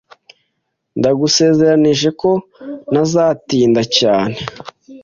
Ndagusezeranije ko ntazatinda cyane.